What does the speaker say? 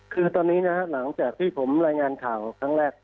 คือตอนนี้นะฮะหลังจากที่ผมรายงานข่าวครั้งแรก